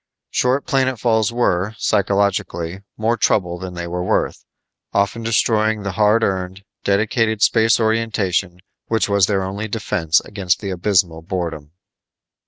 Short planetfalls were, psychologically, more trouble than they were worth, often destroying the hard earned, delicate space orientation which was their only defense against the abysmal boredom.